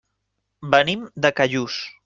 Venim de Callús.